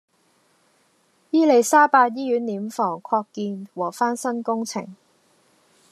伊利沙伯醫院殮房擴建和翻新工程